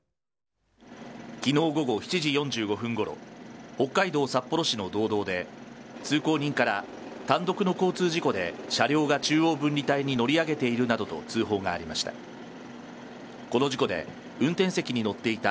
きのう午後７時４５分ごろ、北海道札幌市の道道で、通行人から、単独の交通事故で車両が中央分離帯に乗り上げているなどと通報がありました。